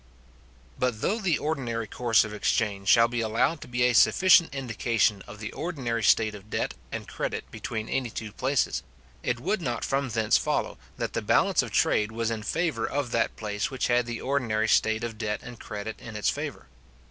But though the ordinary course of exchange shall be allowed to be a sufficient indication of the ordinary state of debt and credit between any two places, it would not from thence follow, that the balance of trade was in favour of that place which had the ordinary state of debt and credit in its favour.